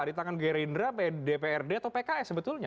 di tangan gerindra dprd atau pks sebetulnya